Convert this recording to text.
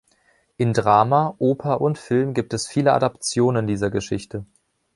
In Drama, Oper und Film gibt es viele Adaptionen dieser Geschichte.